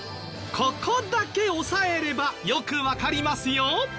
ここだけ押さえればよくわかりますよ！